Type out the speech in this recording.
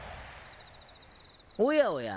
おやおや。